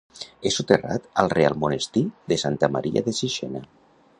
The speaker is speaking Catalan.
És soterrat al Reial Monestir de Santa Maria de Sixena.